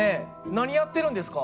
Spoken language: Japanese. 何やってるんですか？